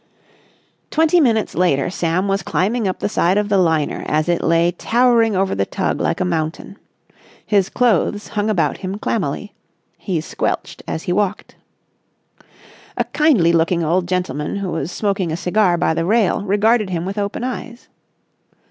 Twenty minutes later Sam was climbing up the side of the liner as it lay towering over the tug like a mountain. His clothes hung about him clammily. He squelched as he walked. A kindly looking old gentleman who was smoking a cigar by the rail regarded him with open eyes.